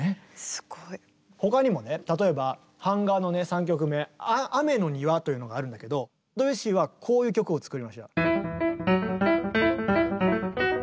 すごい。他にもね例えば「版画」の３曲目「雨の庭」というのがあるんだけどドビュッシーはこういう曲を作りました。